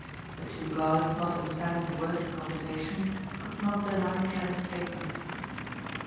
The two guards not understanding a word of the conversation could not deny Trent's statements.